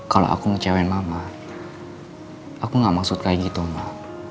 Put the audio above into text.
kalau aku ngecewain mama aku gak maksud kayak gitu mbak